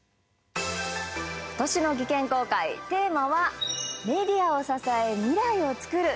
今年の技研公開、テーマは「メディアを支え、未来を創る」。